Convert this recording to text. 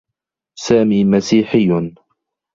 سامي مسيحي.